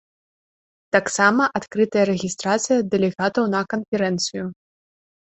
Таксама адкрытая рэгістрацыя дэлегатаў на канферэнцыю.